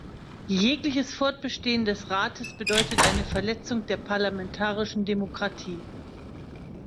Jegliches Fortbestehen des Rates bedeutet eine Verletzung der parlamentarischen Demokratie.